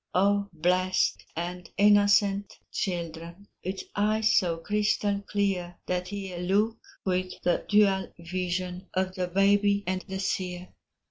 Oh, blessed and innocent children, With eyes so crystal clear, That ye look with the dual vision Of the baby and the seer.